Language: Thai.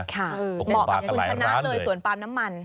เหมาะกับคุณชนะเลยสวนปาล์มน้ำมัน